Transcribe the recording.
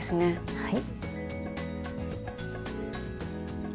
はい。